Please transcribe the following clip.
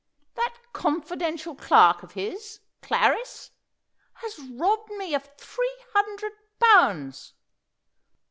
That confidential clerk of his Clarris has robbed me of three hundred pounds!"